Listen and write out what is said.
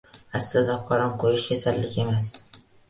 Aslida qorin qo‘yish kasallik emas.